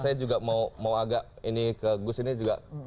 saya juga mau agak ini ke gus ini juga